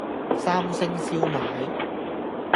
三星燒賣